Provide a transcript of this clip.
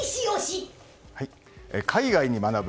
海外に学ぶ！